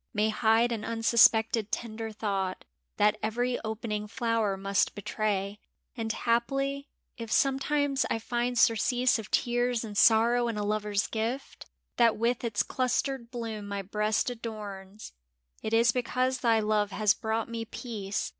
May hide an unsuspected tender thought That every opening flower must betray. And haply, if sometimes I find surcease Of tears and sorrow in a lover's gift That with its clustered bloom my breast adorns, It is because thy love has brought me peace.